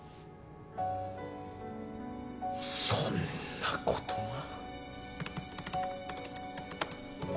そんなことが。